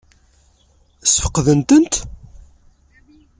Ssfeqden-tent?